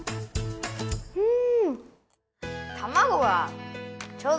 うん。